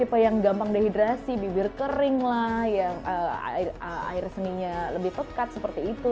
tipe yang gampang dehidrasi bibir kering lah yang air seninya lebih pekat seperti itu